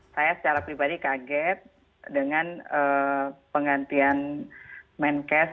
saya secara pribadi kaget dengan penggantian menkes